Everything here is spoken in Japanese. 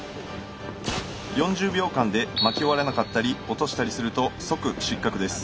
４０秒間で巻き終われなかったり落としたりすると即失格です。